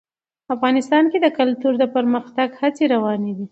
افغانستان کې د کلتور د پرمختګ هڅې روانې دي.